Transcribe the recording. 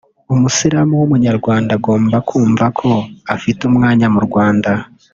umusilamu w’Umunyarwanda agomba kumva ko afite umwanya mu Rwanda